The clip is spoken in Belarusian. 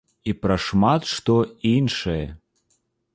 І пра шмат што іншае!